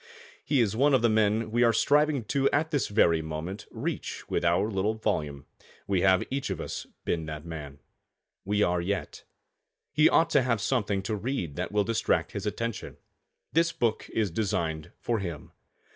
He is one of the men we are striving at this moment to reach with our little volume. We have each of us been that man. We are yet. He ought to have something to read that will distract his attention. This book is designed for him.